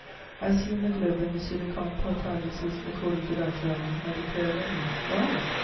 I see in the Globe that Monsieur le Comte Portalis is, according to that journal, my declared enemy. Why?